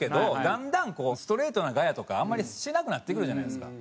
だんだんこうストレートなガヤとかあんまりしなくなってくるじゃないですか。